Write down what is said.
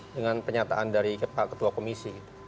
dengan penyataan dari pak ketua komisi